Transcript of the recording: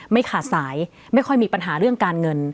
ไม่ขาดสายไม่ค่อยมีปัญหาเรื่องการเงิน